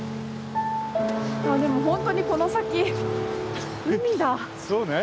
でも本当にこの先海だ。